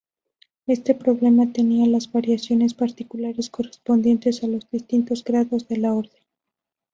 Este emblema tenía las variaciones particulares correspondientes a los distintos grados de la Orden.